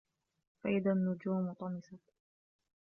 فَإِذَا النُّجُومُ طُمِسَتْ